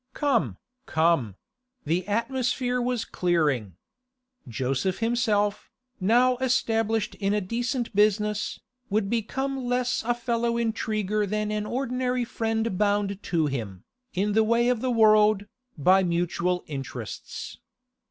Come, come; the atmosphere was clearing. Joseph himself, now established in a decent business, would become less a fellow intriguer than an ordinary friend bound to him, in the way of the world, by mutual interests.